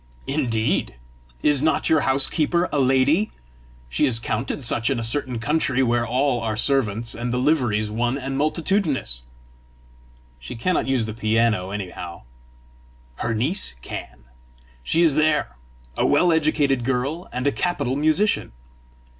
"Indeed! Is not your housekeeper a lady? She is counted such in a certain country where all are servants, and the liveries one and multitudinous!" "She cannot use the piano, anyhow!" "Her niece can: she is there a well educated girl and a capital musician."